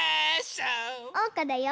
おうかだよ。